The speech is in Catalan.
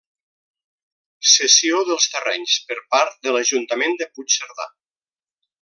Cessió dels terrenys per part de l’ajuntament de Puigcerdà.